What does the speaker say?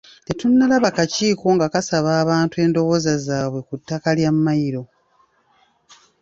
Tetunnalaba kakiiko nga kasaba abantu endowooza zaabwe ku ttaka lya Mmayiro.